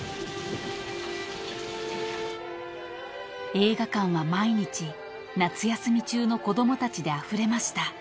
［映画館は毎日夏休み中の子供たちであふれました］